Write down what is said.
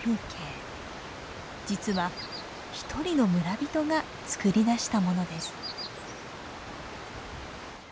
実は一人の村人が作り出したものです。